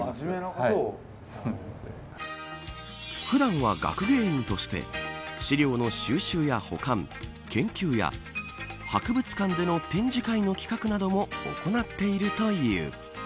普段は学芸員として資料の収集や保管研究や博物館での展示会の企画なども行っているという。